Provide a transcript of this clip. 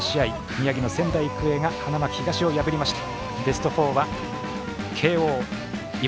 宮城の仙台育英が花巻東を破りました。